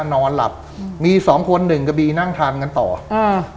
นอนหลับอืมมีสองคนหนึ่งกระบีนั่งทานกันต่ออ่า